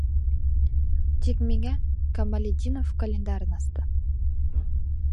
Тик миңә, - Камалетдинов календарын асты.